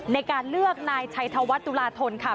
ในการเลือกนายชัยเทาวัตรุราธนค่ะ